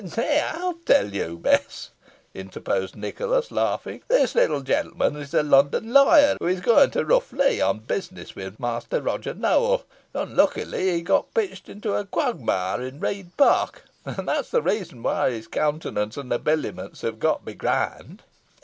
"Nay, I'll tell you, Bess," interposed Nicholas, laughing. "This little gentleman is a London lawyer, who is going to Rough Lee on business with Master Roger Nowell. Unluckily, he got pitched into a quagmire in Read Park, and that is the reason why his countenance and habiliments have got begrimed."